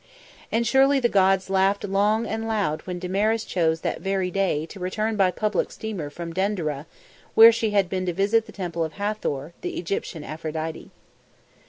And surely the gods laughed long and loud when Damaris chose that very day to return by public steamer from Denderah where she had been to visit the Temple of Hathor the Egyptian Aphrodite.